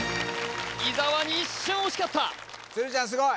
伊沢に一瞬押し勝った鶴ちゃんすごい！